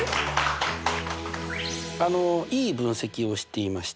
いい分析をしていました。